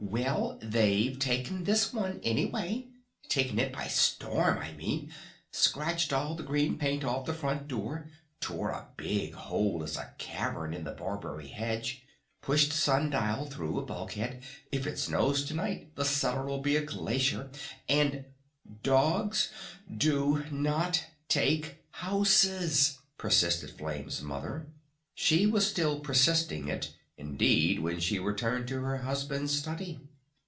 "Well, they've taken this one, anyway! Taken it by storm, I mean! Scratched all the green paint off the front door! Torn a hole big as a cavern in the Barberry Hedge! Pushed the sun dial through a bulkhead! If it snows to night the cellar'll be a Glacier! And " "Dogs do not take houses," persisted Flame's mother. She was still persisting it indeed when she returned to her husband's study.